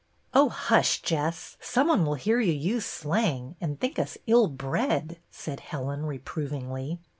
" Oh, hush, Jess! Some one will hear you use slang, and think us ill bred," said Helen, reprovingly.